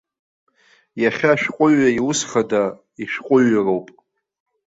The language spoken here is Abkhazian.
Иахьа ашәҟәыҩҩы иус хада ишәҟәыҩҩроуп.